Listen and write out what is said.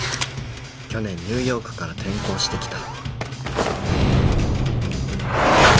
去年ニューヨークから転校してきた